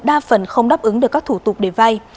đa phần không đáp ứng được các thủ tục để vay